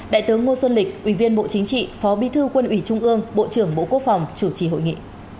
đại tướng ngô xuân lịch ủy viên bộ chính trị phó bi thư quân ủy trung ương bộ trưởng bộ quốc phòng chủ trì hội nghị